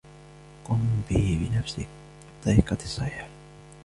قم به بنفسك وبالطريقة الصحيحة.